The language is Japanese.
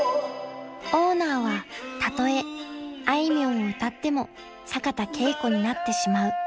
［オーナーはたとえあいみょんを歌っても坂田佳子になってしまう